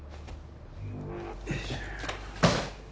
よいしょ。